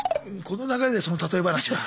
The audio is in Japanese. この流れでその例え話が。